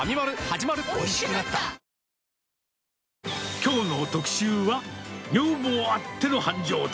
きょうの特集は、女房あっての繁盛店。